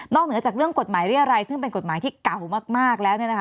เหนือจากเรื่องกฎหมายเรียรัยซึ่งเป็นกฎหมายที่เก่ามากแล้ว